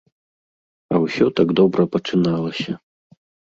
А ўсё так добра пачыналася.